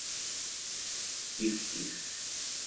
Kifkif.